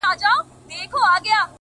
دا راته مه وايه چي تا نه منم دى نه منم;